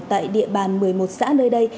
tại địa bàn một mươi một xã nơi đây